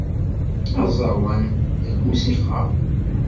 Aẓawan d lmusiqa.